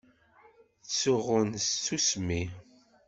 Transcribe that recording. Ttsuɣun s tsusmi.